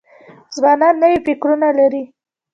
ځوانان نوي فکرونه لري.